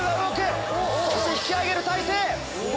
・そして引き上げる体勢。